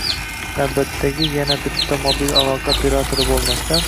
Navbatdagi yana bitta mobil aloqa operatori bo’lmasdan